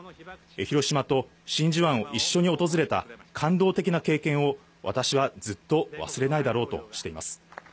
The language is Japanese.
広島と真珠湾を一緒に訪れた感動的な経験を私はずっと忘れないだろうとしています。